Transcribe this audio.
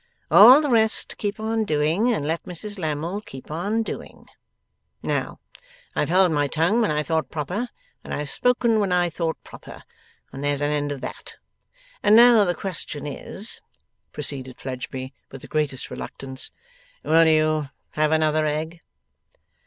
All the rest keep on doing, and let Mrs Lammle keep on doing. Now, I have held my tongue when I thought proper, and I have spoken when I thought proper, and there's an end of that. And now the question is,' proceeded Fledgeby, with the greatest reluctance, 'will you have another egg?